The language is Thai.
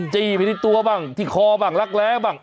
จี้ไปที่ตัวบ้างที่คอบ้างรักแร้บ้าง